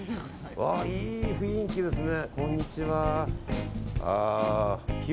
いい雰囲気ですね。